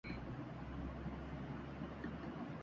اور اس زبان کو اچھی طرح سے سمجھتے ہیں